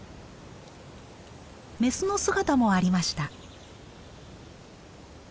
メスの姿もありました。